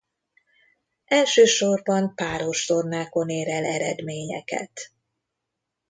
Elsősorban páros tornákon ér el eredményeket.